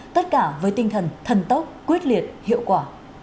tất cả với tinh thần thần tốc quyết liệt hiệu quả